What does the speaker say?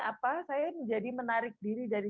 apa saya menjadi menarik diri dari